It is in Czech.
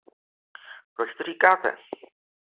Proč to říkáte?